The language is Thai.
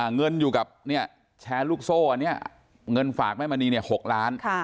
เงินอยู่กับแชร์ลูกโซ่อันนี้เงินฝากแม่มณี๖ล้าน